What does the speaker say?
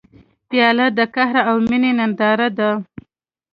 پیاله د قهر او مینې ننداره ده.